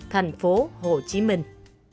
thành phố hồ chí minh